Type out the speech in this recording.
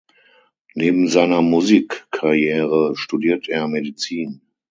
Neben seiner Musikkarriere studiert er Medizin.